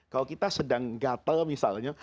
kalau kita sedang gatel misalnya